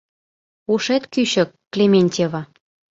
Ушет кӱчык, Клементьева!